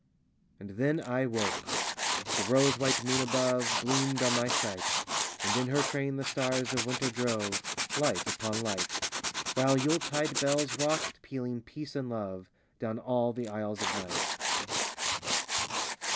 And then I woke. The rose white moon above Bloomed on my sight; And in her train the stars of winter drove, Light upon light; While Yuletide bells rocked, pealing "peace and love" Down all the aisles of night.